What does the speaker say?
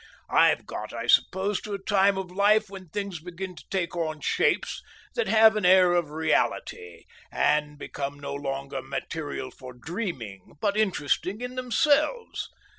I've got, I suppose, to a time of life when things begin to take on shapes that have an air of reality, and become no longer material for dreaming, but interesting in themselves.